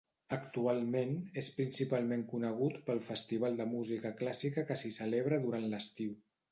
Actualment, és principalment conegut pel festival de música clàssica que s'hi celebra durant l'estiu.